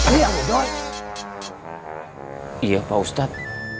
iya pak ustad